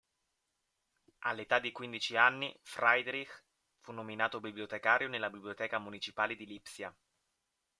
All'età di quindici anni, Friedrich fu nominato bibliotecario nella biblioteca municipale di Lipsia.